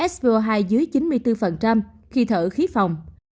svo hai dưới chín mươi bốn khi thở khí phòng